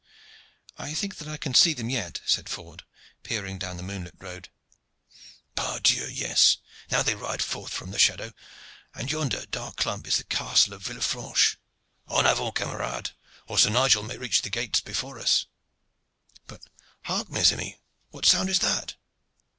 "I think that I can see them yet," said Ford, peering down the moonlit road. "Pardieu! yes. Now they ride forth from the shadow. And yonder dark clump is the Castle of Villefranche. En avant camarades! or Sir Nigel may reach the gates before us. But hark, mes amis, what sound is that?"